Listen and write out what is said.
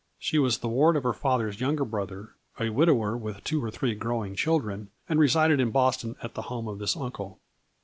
She was the ward of her father's younger brother, a widower with two or three growing children, and resided in Boston at the home of this uncle.